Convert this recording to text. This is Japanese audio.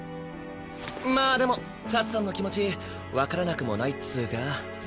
まあでもタツさんの気持ちわからなくもないっつうか？